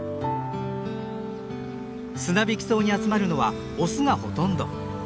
スナビキソウに集まるのはオスがほとんど。